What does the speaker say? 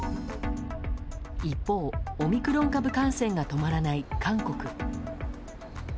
一方、オミクロン株感染が止まらない韓国。